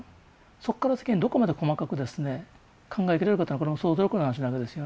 そっから先にどこまで細かくですね考えきれるかっていうのはこれも想像力の話なわけですよ。